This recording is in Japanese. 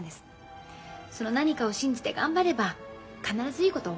その何かを信じて頑張れば必ずいいことが起こるもん。